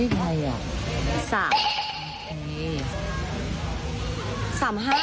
๒เองอะไรก็ยาก